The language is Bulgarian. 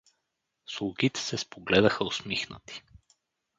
Слугите се спогледаха усмихнати.